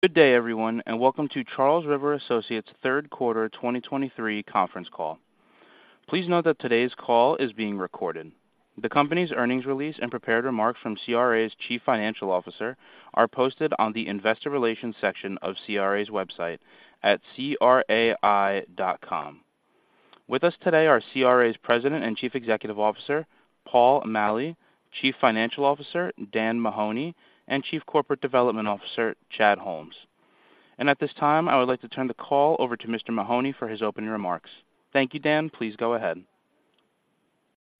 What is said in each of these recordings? Good day, everyone and welcome to Charles River Associates' third quarter 2023 conference call. Please note that today's call is being recorded. The company's earnings release and prepared remarks from CRA's Chief Financial Officer are posted on the investor relations section of CRA's website at crai.com. With us today are CRA's President and Chief Executive Officer, Paul Maleh, Chief Financial Officer, Dan Mahoney, and Chief Corporate Development Officer, Chad Holmes. And at this time, I would like to turn the call over to Mr. Mahoney for his opening remarks. Thank you, Dan. Please go ahead.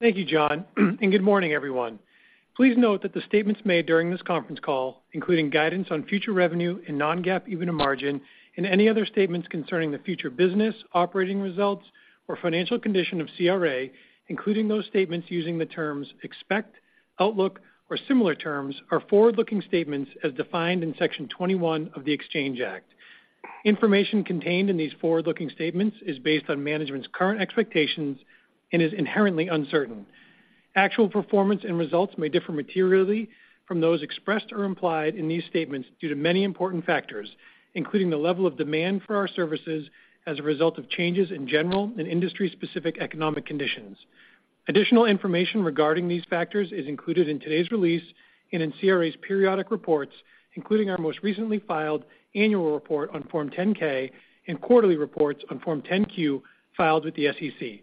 Thank you, John, and good morning, everyone. Please note that the statements made during this conference call, including guidance on future revenue and non-GAAP EBITDA margin, and any other statements concerning the future business, operating results, or financial condition of CRA, including those statements using the terms expect, outlook, or similar terms, are forward-looking statements as defined in Section 21 of the Exchange Act. Information contained in these forward-looking statements is based on management's current expectations and is inherently uncertain. Actual performance and results may differ materially from those expressed or implied in these statements due to many important factors, including the level of demand for our services as a result of changes in general and industry-specific economic conditions. Additional information regarding these factors is included in today's release and in CRA's periodic reports, including our most recently filed annual report on Form 10-K and quarterly reports on Form 10-Q, filed with the SEC.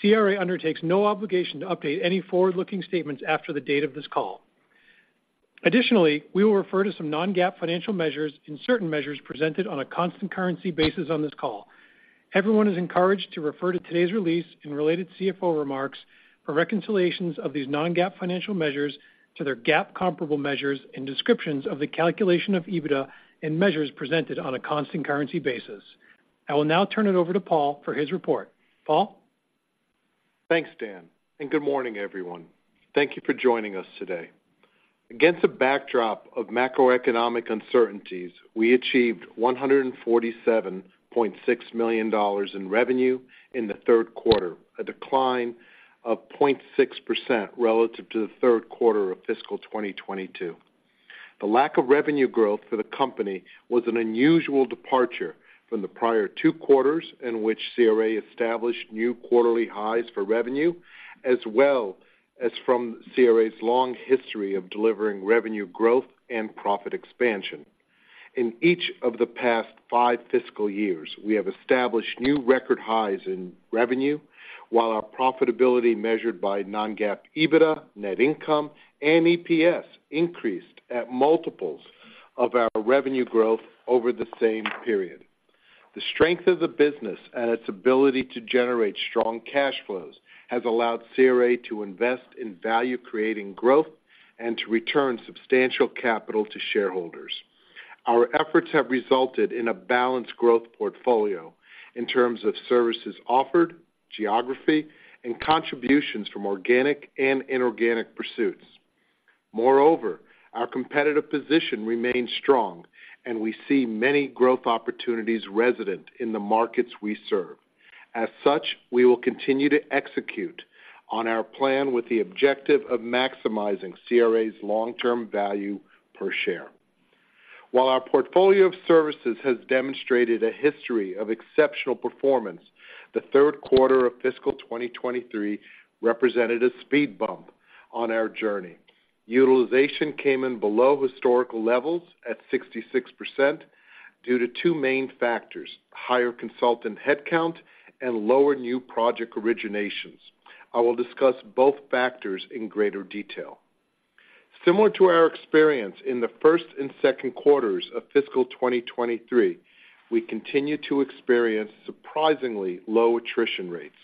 CRA undertakes no obligation to update any forward-looking statements after the date of this call. Additionally, we will refer to some non-GAAP financial measures and certain measures presented on a constant currency basis on this call. Everyone is encouraged to refer to today's release and related CFO remarks for reconciliations of these non-GAAP financial measures to their GAAP comparable measures and descriptions of the calculation of EBITDA and measures presented on a constant currency basis. I will now turn it over to Paul for his report. Paul? Thanks, Dan, and good morning, everyone. Thank you for joining us today. Against a backdrop of macroeconomic uncertainties, we achieved $147.6 million in revenue in the third quarter, a decline of 0.6% relative to the third quarter of fiscal 2022. The lack of revenue growth for the company was an unusual departure from the prior two quarters in which CRA established new quarterly highs for revenue, as well as from CRA's long history of delivering revenue growth and profit expansion. In each of the past five fiscal years, we have established new record highs in revenue, while our profitability, measured by non-GAAP EBITDA, net income, and EPS, increased at multiples of our revenue growth over the same period. The strength of the business and its ability to generate strong cash flows has allowed CRA to invest in value-creating growth and to return substantial capital to shareholders. Our efforts have resulted in a balanced growth portfolio in terms of services offered, geography, and contributions from organic and inorganic pursuits. Moreover, our competitive position remains strong, and we see many growth opportunities resident in the markets we serve. As such, we will continue to execute on our plan with the objective of maximizing CRA's long-term value per share. While our portfolio of services has demonstrated a history of exceptional performance, the third quarter of fiscal 2023 represented a speed bump on our journey. Utilization came in below historical levels at 66% due to two main factors: higher consultant headcount and lower new project originations. I will discuss both factors in greater detail. Similar to our experience in the first and second quarters of fiscal 2023, we continued to experience surprisingly low attrition rates.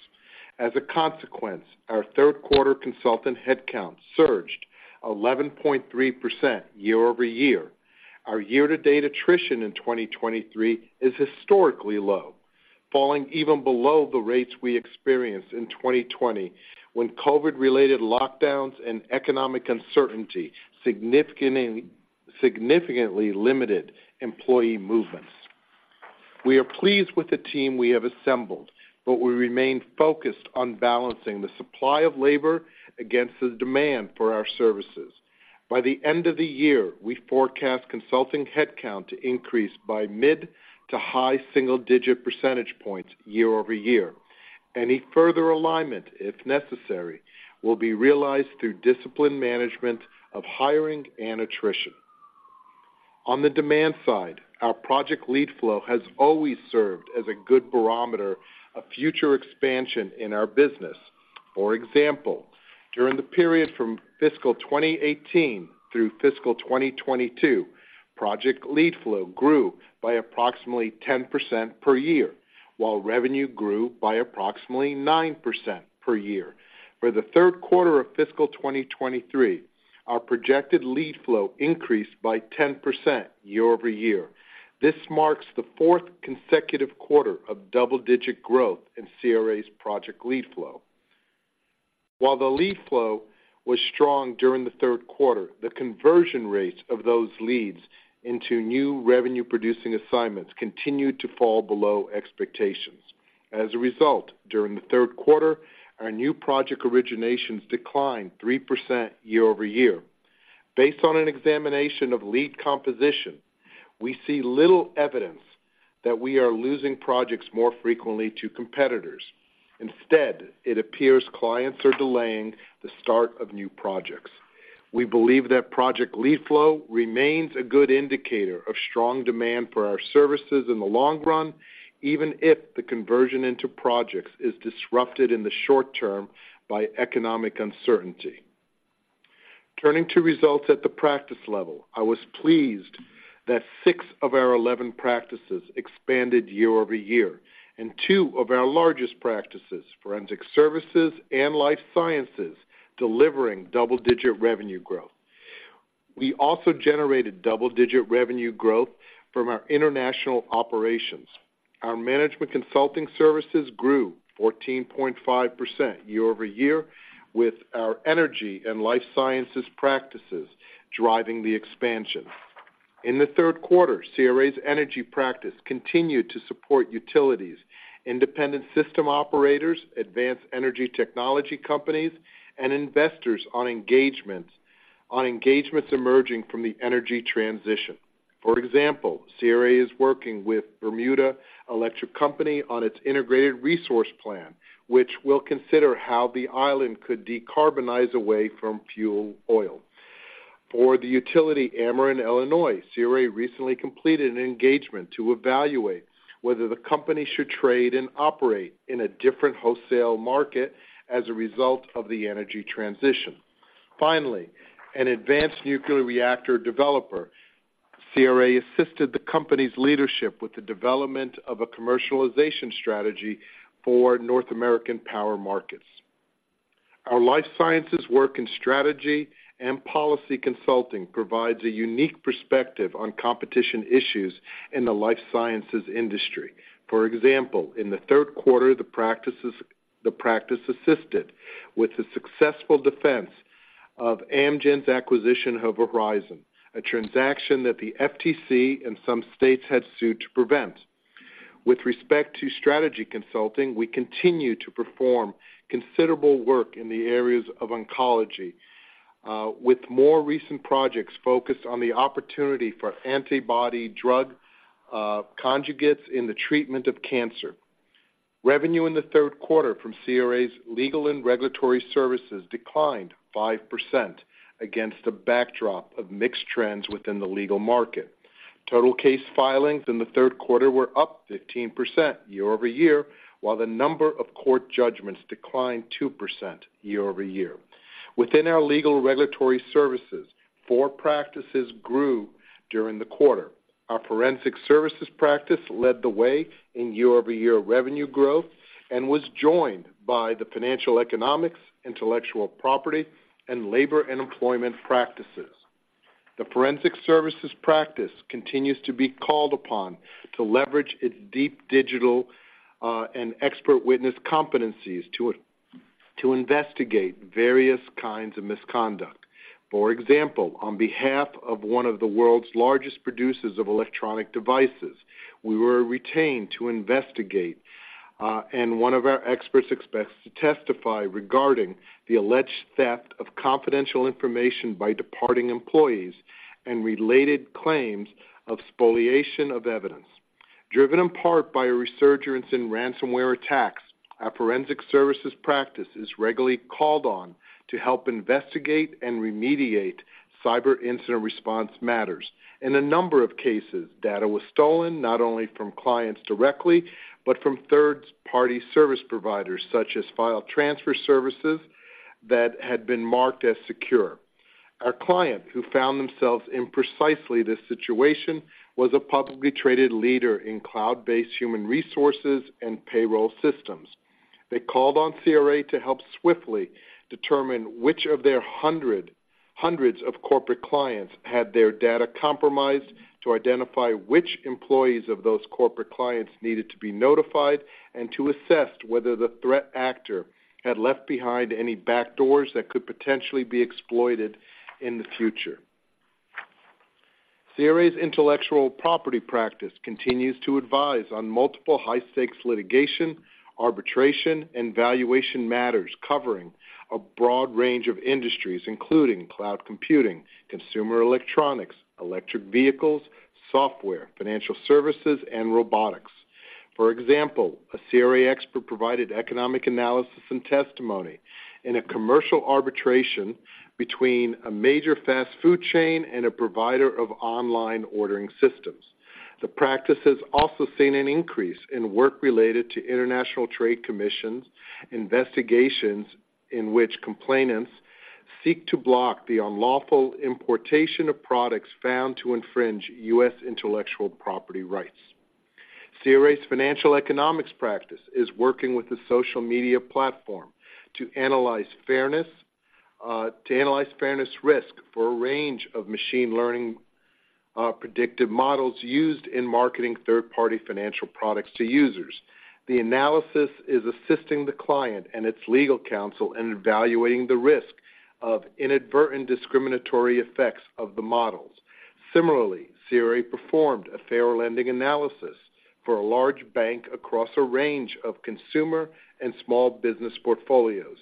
As a consequence, our third quarter consultant headcount surged 11.3% year-over-year. Our year-to-date attrition in 2023 is historically low, falling even below the rates we experienced in 2020, when COVID-related lockdowns and economic uncertainty significantly, significantly limited employee movements. We are pleased with the team we have assembled, but we remain focused on balancing the supply of labor against the demand for our services. By the end of the year, we forecast consulting headcount to increase by mid- to high single-digit percentage points year-over-year. Any further alignment, if necessary, will be realized through disciplined management of hiring and attrition. On the demand side, our project lead flow has always served as a good barometer of future expansion in our business. For example, during the period from fiscal 2018 through fiscal 2022, project lead flow grew by approximately 10% per year, while revenue grew by approximately 9% per year. For the third quarter of fiscal 2023, our projected lead flow increased by 10% year-over-year. This marks the fourth consecutive quarter of double-digit growth in CRA's project lead flow. While the lead flow was strong during the third quarter, the conversion rate of those leads into new revenue-producing assignments continued to fall below expectations. As a result, during the third quarter, our new project originations declined 3% year-over-year. Based on an examination of lead composition, we see little evidence that we are losing projects more frequently to competitors. Instead, it appears clients are delaying the start of new projects. We believe that project lead flow remains a good indicator of strong demand for our services in the long run, even if the conversion into projects is disrupted in the short term by economic uncertainty. Turning to results at the practice level, I was pleased that six of our 11 practices expanded year-over-year, and two of our largest practices, forensic services and life sciences, delivering double-digit revenue growth. We also generated double-digit revenue growth from our international operations. Our management consulting services grew 14.5% year-over-year, with our energy and life sciences practices driving the expansion. In the third quarter, CRA's energy practice continued to support utilities, independent system operators, advanced energy technology companies, and investors on engagements emerging from the energy transition. For example, CRA is working with Bermuda Electric Company on its integrated resource plan, which will consider how the island could decarbonize away from fuel oil. For the utility Ameren Illinois, CRA recently completed an engagement to evaluate whether the company should trade and operate in a different wholesale market as a result of the energy transition. Finally, an advanced nuclear reactor developer, CRA assisted the company's leadership with the development of a commercialization strategy for North American power markets. Our life sciences work in strategy and policy consulting provides a unique perspective on competition issues in the life sciences industry. For example, in the third quarter, the practice assisted with the successful defense of Amgen's acquisition of Horizon, a transaction that the FTC and some states had sued to prevent. With respect to strategy consulting, we continue to perform considerable work in the areas of oncology, with more recent projects focused on the opportunity for antibody drug conjugates in the treatment of cancer. Revenue in the third quarter from CRA's legal and regulatory services declined 5% against a backdrop of mixed trends within the legal market. Total case filings in the third quarter were up 15% year-over-year, while the number of court judgments declined 2% year-over-year. Within our legal regulatory services, four practices grew during the quarter. Our forensic services practice led the way in year-over-year revenue growth and was joined by the financial, economics, intellectual property, and labor and employment practices. The forensic services practice continues to be called upon to leverage its deep digital and expert witness competencies to investigate various kinds of misconduct. For example, on behalf of one of the world's largest producers of electronic devices, we were retained to investigate, and one of our experts expects to testify regarding the alleged theft of confidential information by departing employees and related claims of spoliation of evidence. Driven in part by a resurgence in ransomware attacks, our forensic services practice is regularly called on to help investigate and remediate cyber incident response matters. In a number of cases, data was stolen not only from clients directly, but from third-party service providers, such as file transfer services that had been marked as secure. Our client, who found themselves in precisely this situation, was a publicly traded leader in cloud-based human resources and payroll systems. They called on CRA to help swiftly determine which of their hundreds of corporate clients had their data compromised, to identify which employees of those corporate clients needed to be notified, and to assess whether the threat actor had left behind any backdoors that could potentially be exploited in the future. CRA's intellectual property practice continues to advise on multiple high-stakes litigation, arbitration, and valuation matters covering a broad range of industries, including cloud computing, consumer electronics, electric vehicles, software, financial services, and robotics. For example, a CRA expert provided economic analysis and testimony in a commercial arbitration between a major fast-food chain and a provider of online ordering systems. The practice has also seen an increase in work related to International Trade Commission, investigations in which complainants seek to block the unlawful importation of products found to infringe U.S. intellectual property rights. CRA's financial economics practice is working with a social media platform to analyze fairness, to analyze fairness risk for a range of machine learning, predictive models used in marketing third-party financial products to users. The analysis is assisting the client and its legal counsel in evaluating the risk of inadvertent discriminatory effects of the models. Similarly, CRA performed a fair lending analysis for a large bank across a range of consumer and small business portfolios.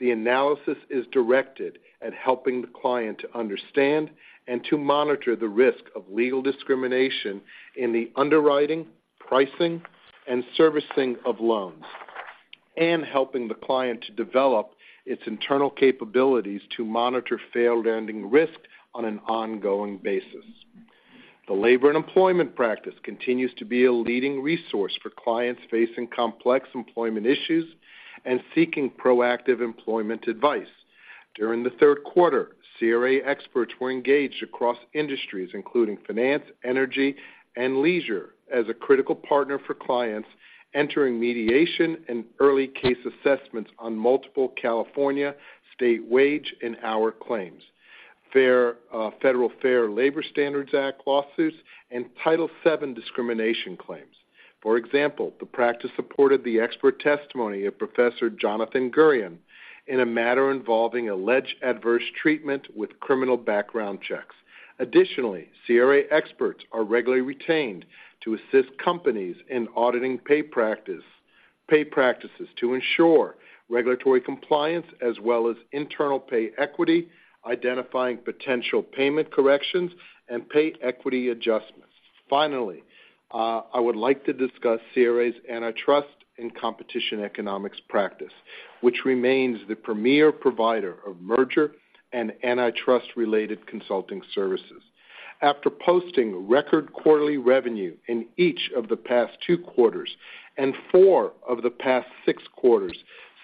The analysis is directed at helping the client to understand and to monitor the risk of legal discrimination in the underwriting, pricing, and servicing of loans, and helping the client to develop its internal capabilities to monitor fair lending risk on an ongoing basis. The labor and employment practice continues to be a leading resource for clients facing complex employment issues and seeking proactive employment advice. During the third quarter, CRA experts were engaged across industries, including finance, energy, and leisure, as a critical partner for clients entering mediation and early case assessments on multiple California state wage and hour claims, Fair Labor Standards Act lawsuits, and Title VII discrimination claims. For example, the practice supported the expert testimony of Professor Jonathan Guryan in a matter involving alleged adverse treatment with criminal background checks. Additionally, CRA experts are regularly retained to assist companies in auditing pay practices to ensure regulatory compliance, as well as internal pay equity, identifying potential payment corrections, and pay equity adjustments. Finally, I would like to discuss CRA's antitrust and competition economics practice, which remains the premier provider of merger and antitrust-related consulting services. After posting record quarterly revenue in each of the past two quarters and four of the past six quarters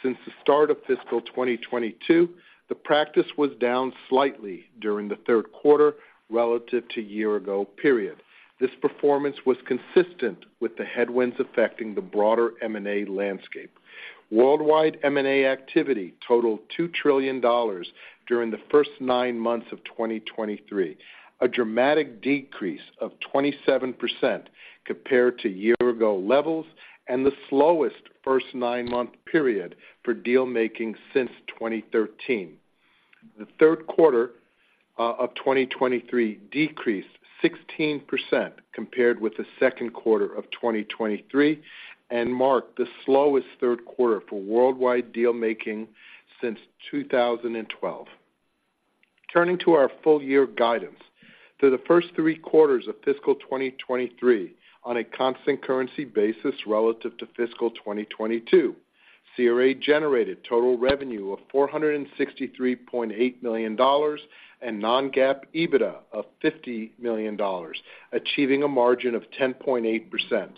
since the start of fiscal 2022, the practice was down slightly during the third quarter relative to year-ago period. This performance was consistent with the headwinds affecting the broader M&A landscape. Worldwide M&A activity totaled $2 trillion during the first nine months of 2023, a dramatic decrease of 27% compared to year-ago levels, and the slowest first nine-month period for deal-making since 2013. The third quarter of 2023 decreased 16% compared with the second quarter of 2023 and marked the slowest third quarter for worldwide deal-making since 2012. Turning to our full-year guidance. Through the first three quarters of fiscal 2023, on a constant currency basis relative to fiscal 2022, CRA generated total revenue of $463.8 million and non-GAAP EBITDA of $50 million, achieving a margin of 10.8%.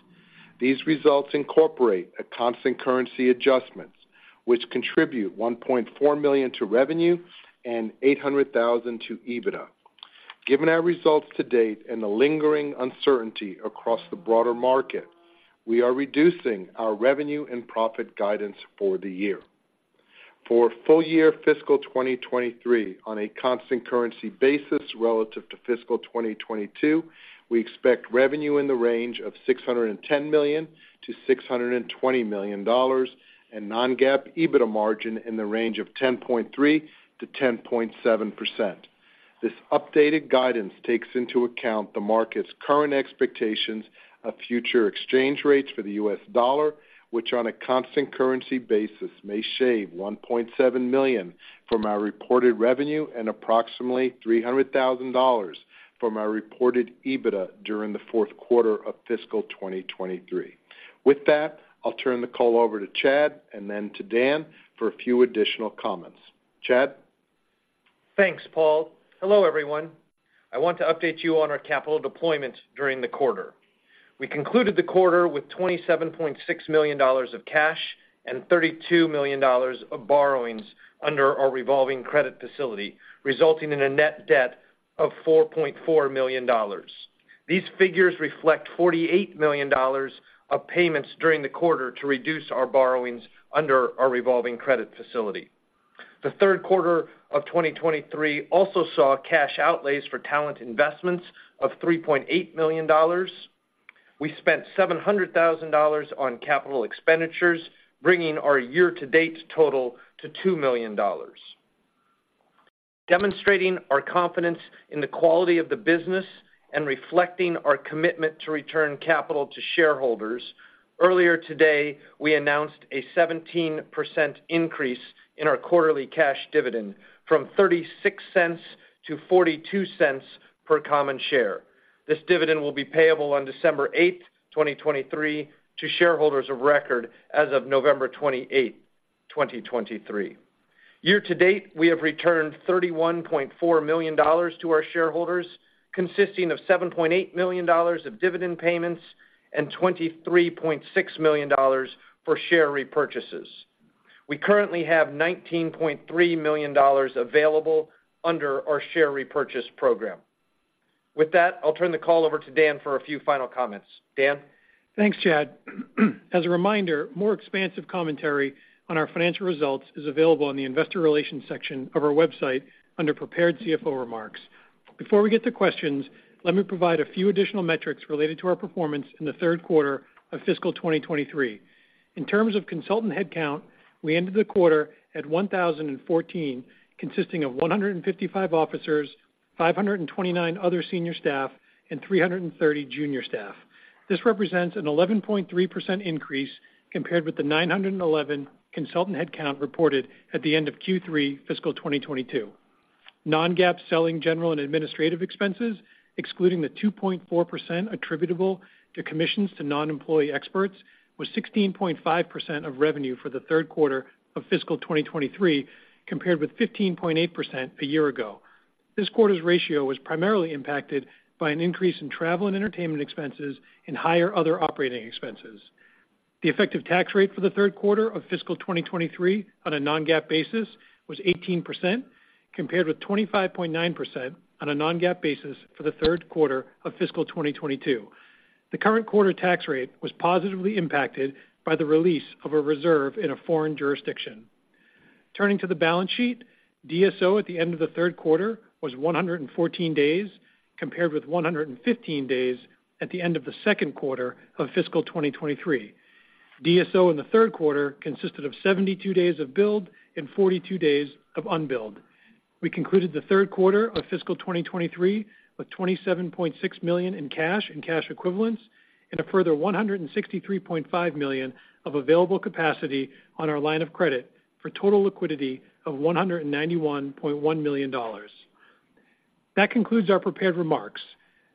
These results incorporate a constant currency adjustments, which contribute $1.4 million to revenue and $800,000 to EBITDA. Given our results to date and the lingering uncertainty across the broader market, we are reducing our revenue and profit guidance for the year. For full-year fiscal 2023, on a constant currency basis relative to fiscal 2022, we expect revenue in the range of $610 million-$620 million and non-GAAP EBITDA margin in the range of 10.3%-10.7%. This updated guidance takes into account the market's current expectations of future exchange rates for the U.S. dollar, which, on a constant currency basis, may shave $1.7 million from our reported revenue and approximately $300,000 from our reported EBITDA during the fourth quarter of fiscal 2023. With that, I'll turn the call over to Chad and then to Dan for a few additional comments. Chad? Thanks, Paul. Hello, everyone. I want to update you on our capital deployment during the quarter. We concluded the quarter with $27.6 million of cash and $32 million of borrowings under our revolving credit facility, resulting in a net debt of $4.4 million. These figures reflect $48 million of payments during the quarter to reduce our borrowings under our revolving credit facility. The third quarter of 2023 also saw cash outlays for talent investments of $3.8 million. We spent $700,000 on capital expenditures, bringing our year-to-date total to $2 million. Demonstrating our confidence in the quality of the business and reflecting our commitment to return capital to shareholders, earlier today, we announced a 17% increase in our quarterly cash dividend from $0.36 to $0.42 per common share. This dividend will be payable on December 8, 2023, to shareholders of record as of November 28, 2023. Year to date, we have returned $31.4 million to our shareholders, consisting of $7.8 million of dividend payments and $23.6 million for share repurchases. We currently have $19.3 million available under our share repurchase program. With that, I'll turn the call over to Dan for a few final comments. Dan? Thanks, Chad. As a reminder, more expansive commentary on our financial results is available on the investor relations section of our website under Prepared CFO Remarks. Before we get to questions, let me provide a few additional metrics related to our performance in the third quarter of fiscal 2023. In terms of consultant headcount, we ended the quarter at 1,014, consisting of 155 officers, 529 other senior staff and 330 junior staff. This represents an 11.3% increase compared with the 911 consultant headcount reported at the end of Q3 fiscal 2022. Non-GAAP selling general and administrative expenses, excluding the 2.4% attributable to commissions to non-employee experts, was 16.5% of revenue for the third quarter of fiscal 2023, compared with 15.8% a year ago. This quarter's ratio was primarily impacted by an increase in travel and entertainment expenses and higher other operating expenses. The effective tax rate for the third quarter of fiscal 2023 on a Non-GAAP basis was 18%, compared with 25.9% on a Non-GAAP basis for the third quarter of fiscal 2022. The current quarter tax rate was positively impacted by the release of a reserve in a foreign jurisdiction. Turning to the balance sheet, DSO at the end of the third quarter was 114 days, compared with 115 days at the end of the second quarter of fiscal 2023. DSO in the third quarter consisted of 72 days of build and 42 days of unbilled. We concluded the third quarter of fiscal 2023 with $27.6 million in cash and cash equivalents, and a further $163.5 million of available capacity on our line of credit for total liquidity of $191.1 million. That concludes our prepared remarks.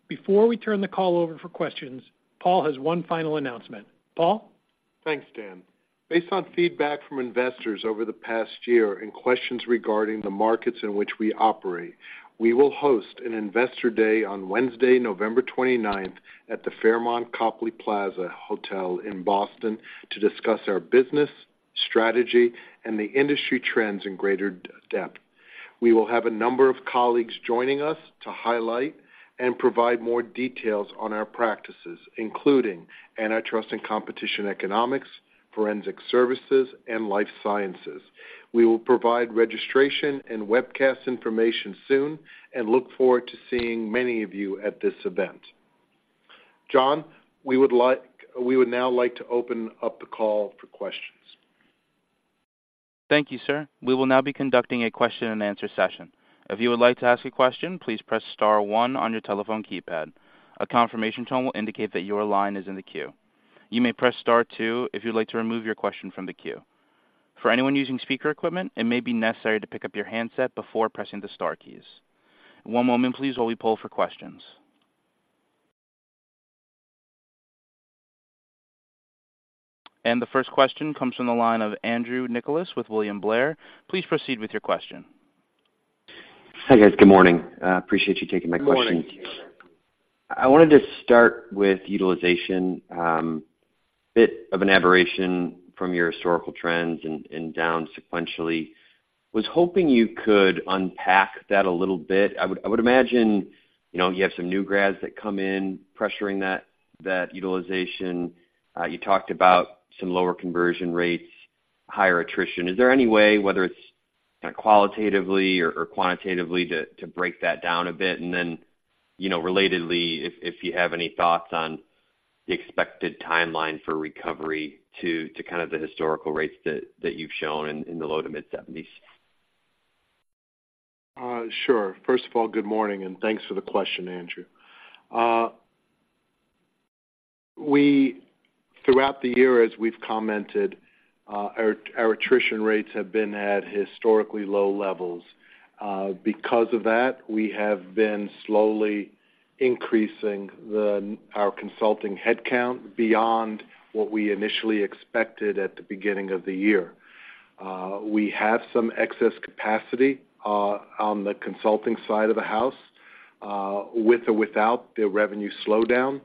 Before we turn the call over for questions, Paul has one final announcement. Paul? Thanks, Dan. Based on feedback from investors over the past year and questions regarding the markets in which we operate, we will host an Investor Day on Wednesday, November 29th, at the Fairmont Copley Plaza Hotel in Boston to discuss our business, strategy, and the industry trends in greater depth. We will have a number of colleagues joining us to highlight and provide more details on our practices, including antitrust and competition economics, forensic services, and life sciences. We will provide registration and webcast information soon and look forward to seeing many of you at this event. John, we would now like to open up the call for questions. Thank you, sir. We will now be conducting a question-and-answer session. If you would like to ask a question, please press star one on your telephone keypad. A confirmation tone will indicate that your line is in the queue. You may press star two if you'd like to remove your question from the queue. For anyone using speaker equipment, it may be necessary to pick up your handset before pressing the star keys. One moment, please, while we pull for questions. The first question comes from the line of Andrew Nicholas with William Blair. Please proceed with your question. Hi, guys. Good morning. Appreciate you taking my question. Good morning. I wanted to start with utilization, bit of an aberration from your historical trends and down sequentially. Was hoping you could unpack that a little bit. I would imagine, you know, you have some new grads that come in pressuring that utilization. You talked about some lower conversion rates, higher attrition. Is there any way, whether it's qualitatively or quantitatively, to break that down a bit? And then, you know, relatedly, if you have any thoughts on the expected timeline for recovery to kind of the historical rates that you've shown in the low to mid-70s%? Sure. First of all, good morning, and thanks for the question, Andrew. We throughout the year, as we've commented, our attrition rates have been at historically low levels. Because of that, we have been slowly increasing our consulting headcount beyond what we initially expected at the beginning of the year. We have some excess capacity on the consulting side of the house, with or without the revenue slowdown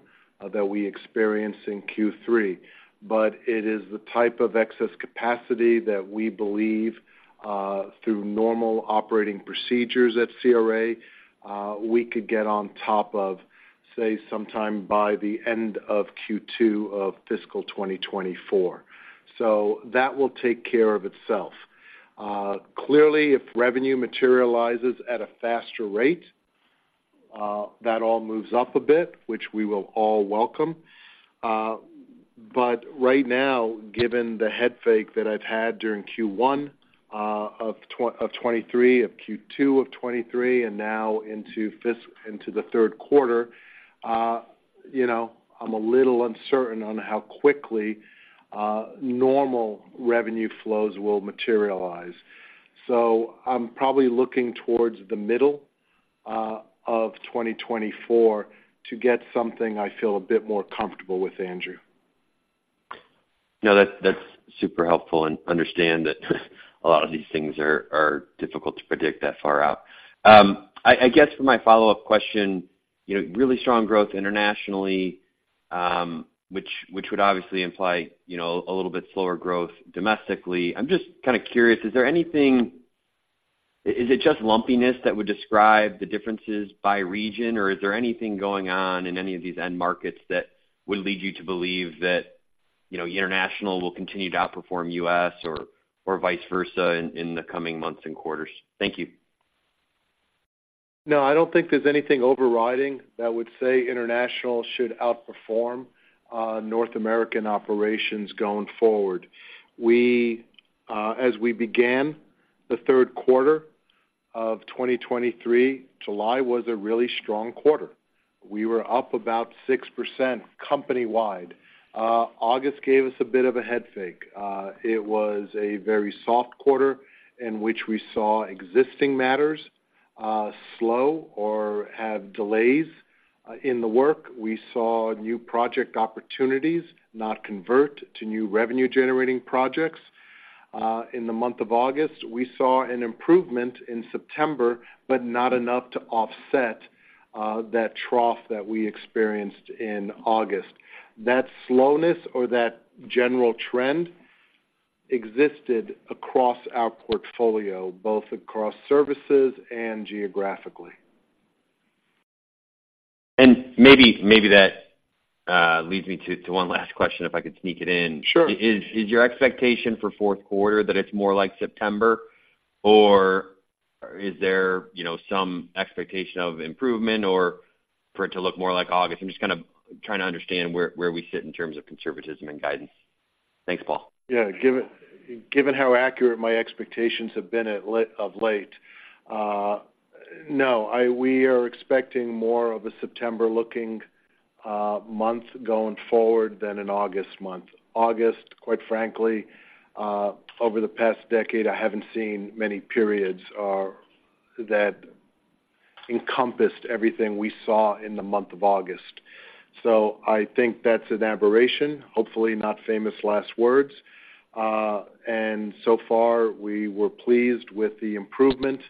that we experienced in Q3. But it is the type of excess capacity that we believe, through normal operating procedures at CRA, we could get on top of, say, sometime by the end of Q2 of fiscal 2024. So that will take care of itself. Clearly, if revenue materializes at a faster rate, that all moves up a bit, which we will all welcome. But right now, given the head fake that I've had during Q1 of 2023, of Q2 of 2023, and now into the third quarter, you know, I'm a little uncertain on how quickly normal revenue flows will materialize. So I'm probably looking towards the middle of 2024 to get something I feel a bit more comfortable with, Andrew. No, that's, that's super helpful and understand that a lot of these things are difficult to predict that far out. I guess for my follow-up question, you know, really strong growth internationally, which would obviously imply, you know, a little bit slower growth domestically. I'm just kind of curious, is there anything... Is it just lumpiness that would describe the differences by region, or is there anything going on in any of these end markets that would lead you to believe that, you know, international will continue to outperform US or vice versa in the coming months and quarters? Thank you. No, I don't think there's anything overriding that would say international should outperform, North American operations going forward. As we began the third quarter of 2023, July was a really strong quarter. We were up about 6% company-wide. August gave us a bit of a head fake. It was a very soft quarter in which we saw existing matters slow or have delays in the work. We saw new project opportunities not convert to new revenue-generating projects in the month of August. We saw an improvement in September, but not enough to offset that trough that we experienced in August. That slowness or that general trend existed across our portfolio, both across services and geographically. Maybe, maybe that leads me to one last question, if I could sneak it in. Sure. Is your expectation for fourth quarter that it's more like September, or is there, you know, some expectation of improvement or for it to look more like August? I'm just kind of trying to understand where we sit in terms of conservatism and guidance. Thanks, Paul. Yeah, given, given how accurate my expectations have been of late, no, we are expecting more of a September-looking month going forward than an August month. August, quite frankly, over the past decade, I haven't seen many periods that encompassed everything we saw in the month of August. So I think that's an aberration, hopefully not famous last words. And so far, we were pleased with the improvement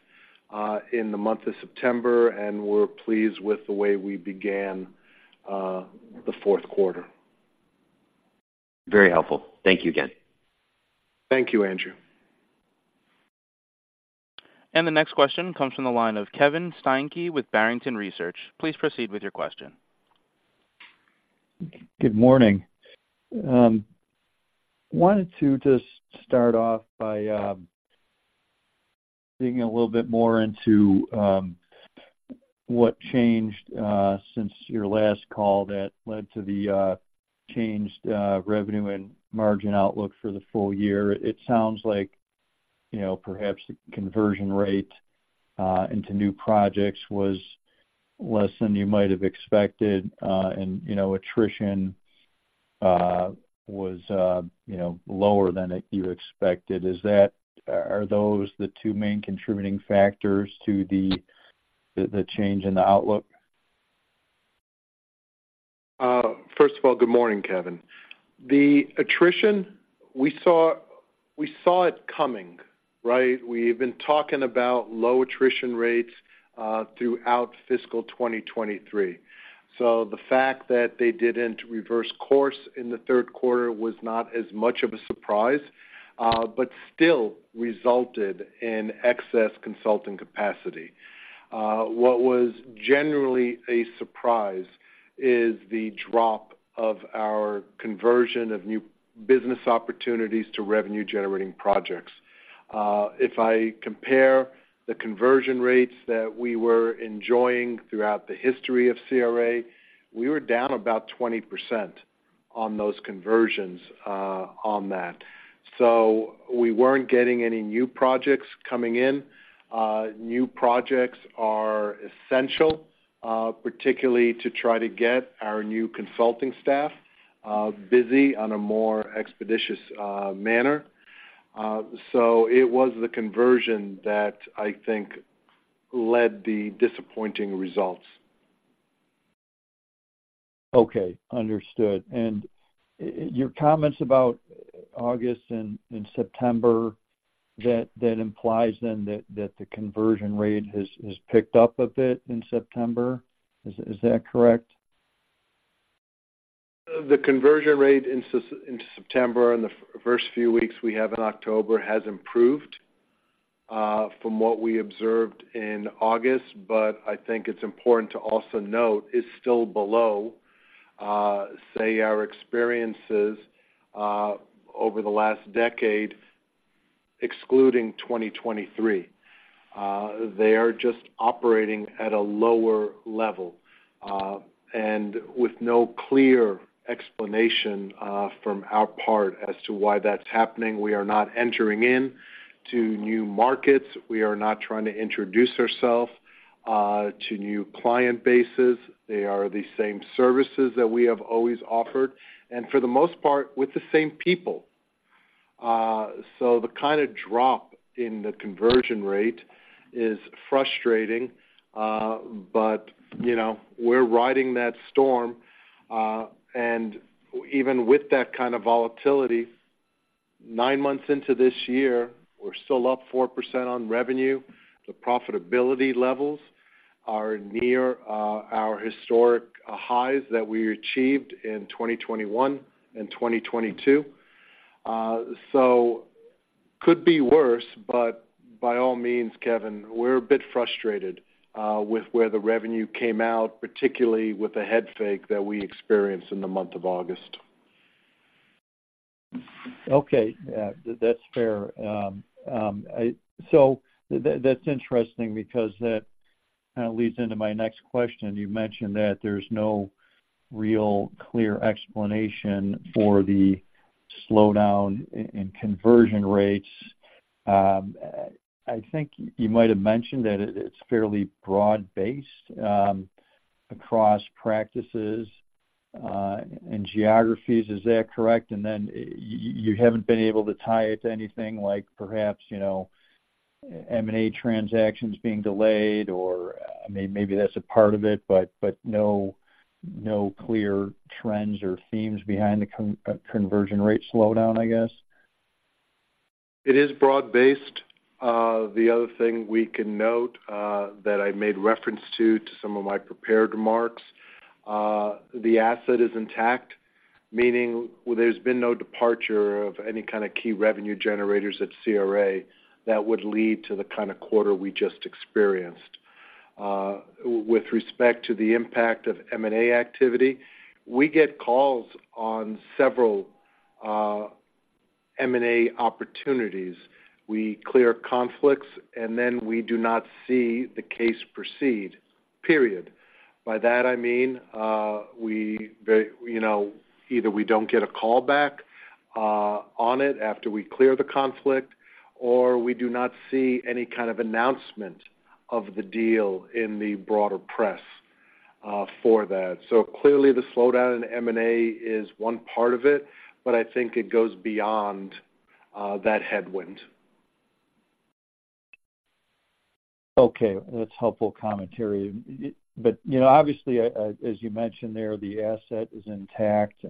in the month of September, and we're pleased with the way we began the fourth quarter. Very helpful. Thank you again. Thank you, Andrew. The next question comes from the line of Kevin Steinke with Barrington Research. Please proceed with your question. Good morning. Wanted to just start off by digging a little bit more into what changed since your last call that led to the changed revenue and margin outlook for the full year. It sounds like, you know, perhaps the conversion rate into new projects was less than you might have expected, and, you know, attrition was lower than you expected. Is that—are those the two main contributing factors to the change in the outlook? First of all, good morning, Kevin. The attrition, we saw, we saw it coming, right? We've been talking about low attrition rates throughout fiscal 2023. So the fact that they didn't reverse course in the third quarter was not as much of a surprise, but still resulted in excess consulting capacity. What was generally a surprise is the drop of our conversion of new business opportunities to revenue-generating projects. If I compare the conversion rates that we were enjoying throughout the history of CRA, we were down about 20% on those conversions, on that. So we weren't getting any new projects coming in. New projects are essential, particularly to try to get our new consulting staff busy on a more expeditious manner. So it was the conversion that I think led the disappointing results. Okay, understood. And your comments about August and September, that implies then that the conversion rate has picked up a bit in September? Is that correct? The conversion rate in September and the first few weeks we have in October has improved from what we observed in August, but I think it's important to also note, it's still below, say, our experiences over the last decade, excluding 2023. They are just operating at a lower level, and with no clear explanation from our part as to why that's happening. We are not entering into new markets. We are not trying to introduce ourselves to new client bases. They are the same services that we have always offered, and for the most part, with the same people. So the kind of drop in the conversion rate is frustrating, but, you know, we're riding that storm. And even with that kind of volatility, nine months into this year, we're still up 4% on revenue. The profitability levels are near our historic highs that we achieved in 2021 and 2022. So could be worse, but by all means, Kevin, we're a bit frustrated with where the revenue came out, particularly with the head fake that we experienced in the month of August. Okay, that's fair. So that's interesting because that kind of leads into my next question. You mentioned that there's no real clear explanation for the slowdown in conversion rates. I think you might have mentioned that it, it's fairly broad-based across practices and geographies. Is that correct? And then you haven't been able to tie it to anything like perhaps, you know, M&A transactions being delayed, or maybe that's a part of it, but no clear trends or themes behind the conversion rate slowdown, I guess? It is broad-based. The other thing we can note, that I made reference to some of my prepared remarks, the asset is intact, meaning there's been no departure of any kind of key revenue generators at CRA that would lead to the kind of quarter we just experienced. With respect to the impact of M&A activity, we get calls on several M&A opportunities. We clear conflicts, and then we do not see the case proceed, period. By that, I mean, you know, either we don't get a call back on it after we clear the conflict, or we do not see any kind of announcement of the deal in the broader press for that. So clearly, the slowdown in M&A is one part of it, but I think it goes beyond that headwind. Okay. That's helpful commentary. But, you know, obviously, as you mentioned there, the asset is intact.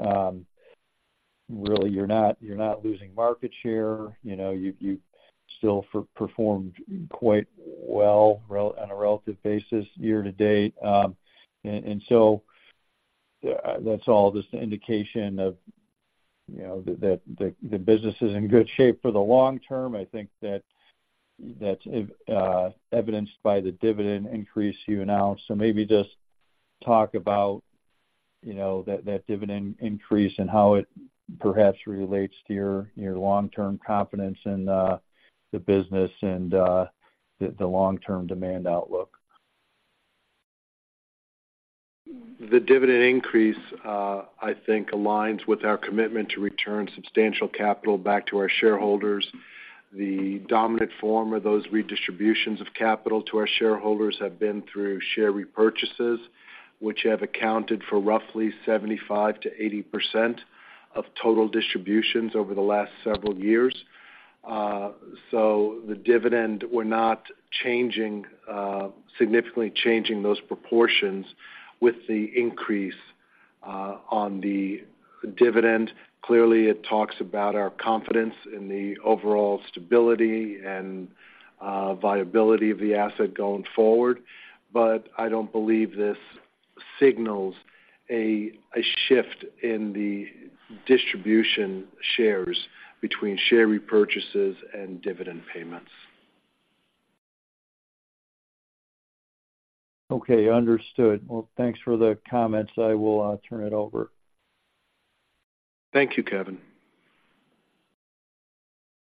Really, you're not, you're not losing market share. You know, you've, you've still performed quite well on a relative basis year to date. And so, that's all just an indication of, you know, that the business is in good shape for the long term. I think that's evidenced by the dividend increase you announced. So maybe just talk about, you know, that dividend increase and how it perhaps relates to your long-term confidence in the business and the long-term demand outlook. The dividend increase, I think aligns with our commitment to return substantial capital back to our shareholders. The dominant form of those redistributions of capital to our shareholders have been through share repurchases, which have accounted for roughly 75%-80% of total distributions over the last several years. So the dividend, we're not changing, significantly changing those proportions with the increase, on the dividend. Clearly, it talks about our confidence in the overall stability and, viability of the asset going forward, but I don't believe this signals a shift in the distribution shares between share repurchases and dividend payments. Okay, understood. Well, thanks for the comments. I will turn it over. Thank you, Kevin.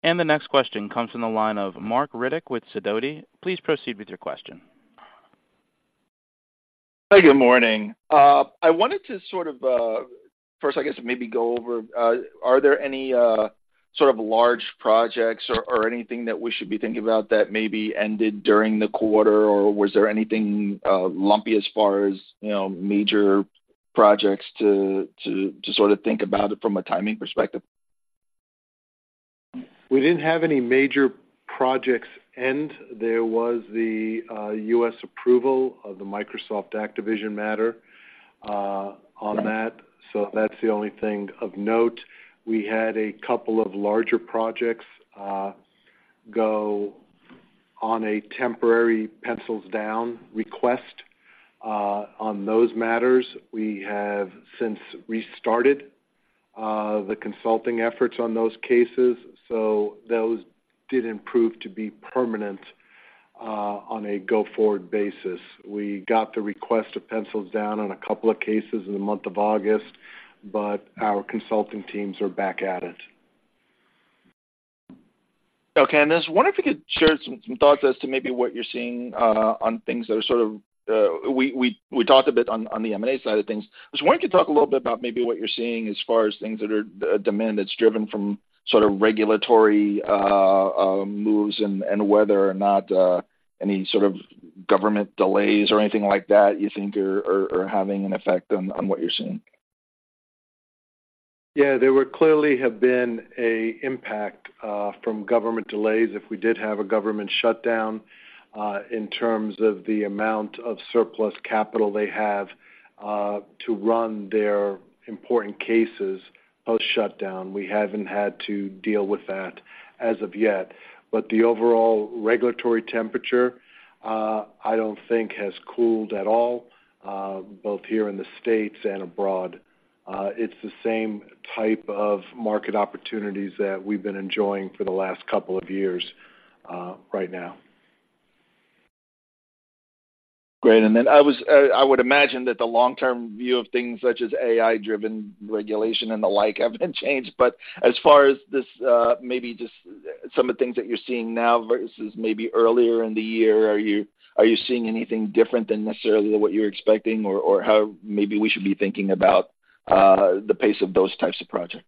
The next question comes from the line of Marc Riddick with Sidoti. Please proceed with your question. Good morning. I wanted to sort of first, I guess, maybe go over, are there any sort of large projects or anything that we should be thinking about that maybe ended during the quarter? Or was there anything lumpy as far as, you know, major projects to sort of think about it from a timing perspective? We didn't have any major projects end. There was the U.S. approval of the Microsoft Activision matter on that, so that's the only thing of note. We had a couple of larger projects go on a temporary pencils-down request on those matters. We have since restarted the consulting efforts on those cases, so those didn't prove to be permanent on a go-forward basis. We got the request of pencils down on a couple of cases in the month of August, but our consulting teams are back at it. Okay, and I was wondering if you could share some thoughts as to maybe what you're seeing on things that are sort of... We talked a bit on the M&A side of things. I was wondering if you talk a little bit about maybe what you're seeing as far as things that are demand that's driven from sort of regulatory moves and whether or not any sort of government delays or anything like that you think are having an effect on what you're seeing. Yeah, there would clearly have been a impact from government delays if we did have a government shutdown, in terms of the amount of surplus capital they have to run their important cases post-shutdown. We haven't had to deal with that as of yet, but the overall regulatory temperature, I don't think has cooled at all, both here in the States and abroad. It's the same type of market opportunities that we've been enjoying for the last couple of years, right now. Great. And then I would imagine that the long-term view of things such as AI-driven regulation and the like haven't changed. But as far as this, maybe just some of the things that you're seeing now versus maybe earlier in the year, are you, are you seeing anything different than necessarily what you're expecting or, or how maybe we should be thinking about the pace of those types of projects?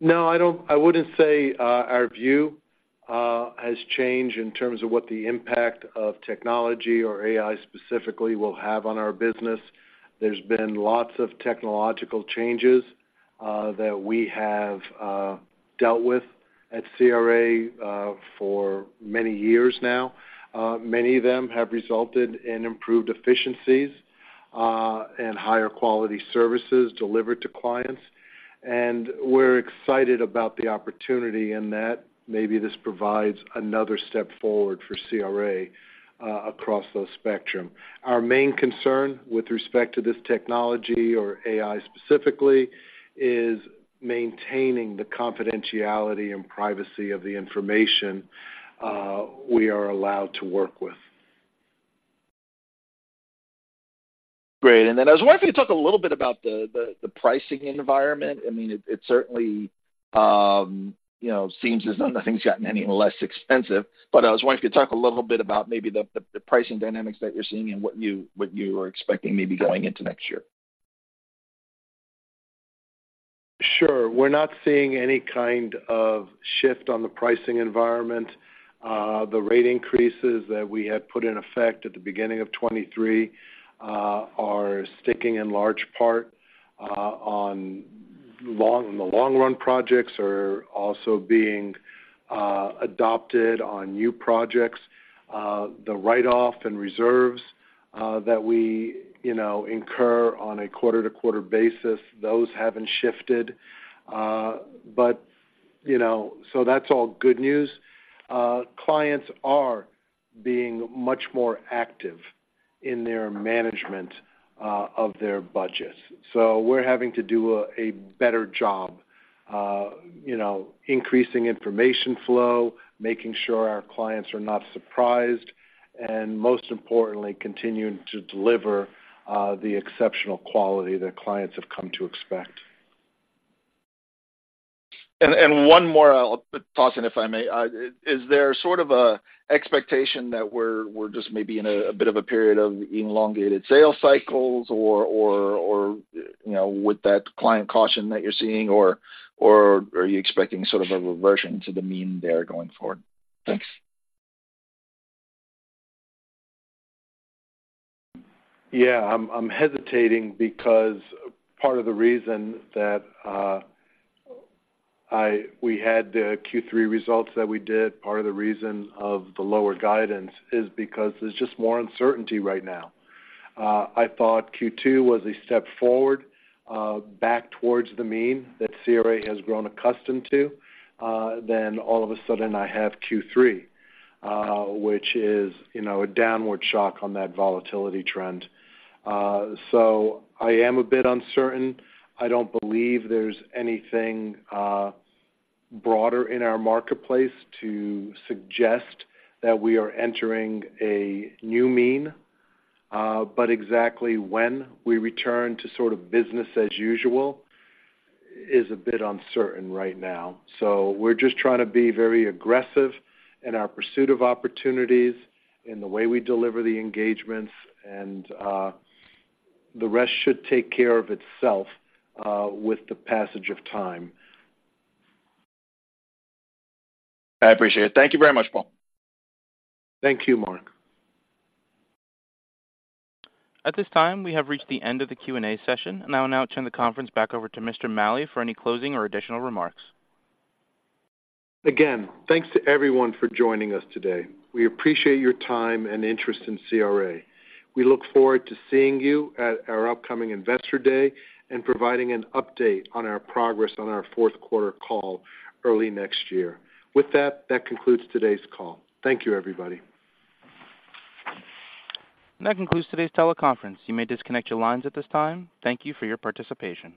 No, I don't. I wouldn't say our view has changed in terms of what the impact of technology or AI, specifically, will have on our business. There's been lots of technological changes that we have dealt with at CRA for many years now. Many of them have resulted in improved efficiencies and higher quality services delivered to clients. And we're excited about the opportunity, and that maybe this provides another step forward for CRA across those spectrum. Our main concern with respect to this technology or AI, specifically, is maintaining the confidentiality and privacy of the information we are allowed to work with. Great. And then I was wondering if you could talk a little bit about the pricing environment. I mean, it certainly, you know, seems as though nothing's gotten any less expensive. But I was wondering if you could talk a little bit about maybe the pricing dynamics that you're seeing and what you are expecting maybe going into next year. Sure. We're not seeing any kind of shift on the pricing environment. The rate increases that we had put in effect at the beginning of 2023 are sticking in large part on long-run projects, which are also being adopted on new projects. The write-off and reserves that we, you know, incur on a quarter-to-quarter basis, those haven't shifted. But, you know, so that's all good news. Clients are being much more active in their management of their budgets. So we're having to do a better job, you know, increasing information flow, making sure our clients are not surprised, and most importantly, continuing to deliver the exceptional quality that clients have come to expect. One more thought, if I may. Is there sort of an expectation that we're just maybe in a bit of a period of elongated sales cycles or, you know, with that client caution that you're seeing, or are you expecting sort of a reversion to the mean there going forward? Thanks. Yeah, I'm hesitating because part of the reason that we had the Q3 results that we did, part of the reason of the lower guidance is because there's just more uncertainty right now. I thought Q2 was a step forward, back towards the mean that CRA has grown accustomed to. Then all of a sudden, I have Q3, which is, you know, a downward shock on that volatility trend. So I am a bit uncertain. I don't believe there's anything broader in our marketplace to suggest that we are entering a new mean, but exactly when we return to sort of business as usual is a bit uncertain right now. So we're just trying to be very aggressive in our pursuit of opportunities, in the way we deliver the engagements, and the rest should take care of itself with the passage of time. I appreciate it. Thank you very much, Paul. Thank you, Marc. At this time, we have reached the end of the Q&A session. I now turn the conference back over to Mr. Maleh for any closing or additional remarks. Again, thanks to everyone for joining us today. We appreciate your time and interest in CRA. We look forward to seeing you at our upcoming Investor Day and providing an update on our progress on our fourth quarter call early next year. With that, that concludes today's call. Thank you, everybody. That concludes today's teleconference. You may disconnect your lines at this time. Thank you for your participation.